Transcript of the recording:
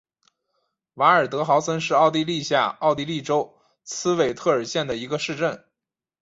瓦尔德豪森是奥地利下奥地利州茨韦特尔县的一个市镇。